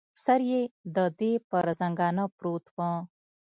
سر یې د دې پر زنګانه پروت و.